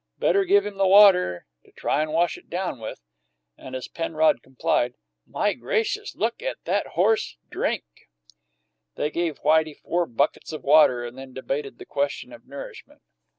Better give him the water to try and wash it down with." And, as Penrod complied, "My gracious, look at that horse drink!" They gave Whitey four buckets of water, and then debated the question of nourishment.